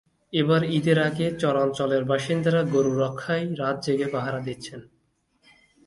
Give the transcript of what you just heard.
এবার ঈদের আগে চরাঞ্চলের বাসিন্দারা গরু রক্ষায় রাত জেগে পাহারা দিচ্ছেন।